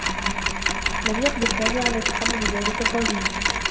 لم يقدر سامي على تحمّل ذلك الضّجيج.